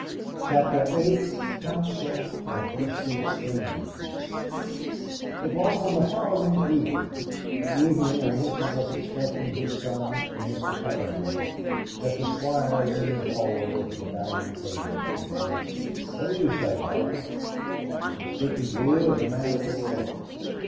CHAPTER VIII COUNCIL AT WORSTED SKEYNES It was on the following evening the evening on which he was expecting his son and Mr. Paramor that the Squire leaned forward over the dining table and asked: "What do you say, Barter? I'm speaking to you as a man of the world."